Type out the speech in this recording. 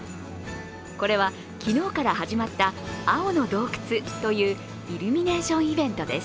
これは昨日から始まった青の洞窟というイルミネーションイベントです。